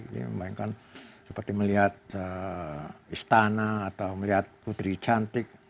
ini membandingkan seperti melihat istana atau melihat putri cantik